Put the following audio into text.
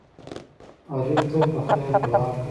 غریب تل د خیر دعا کوي